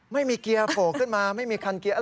ไม่มีเกียร์โผล่ขึ้นมาไม่มีคันเกียร์อะไร